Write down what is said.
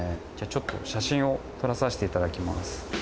ちょっと写真を撮らさせていただきます